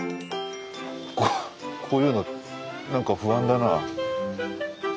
こういうの何か不安だな。